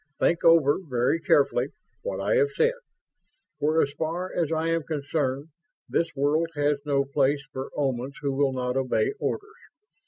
Think over, very carefully, what I have said, for as far as I am concerned, this world has no place for Omans who will not obey orders.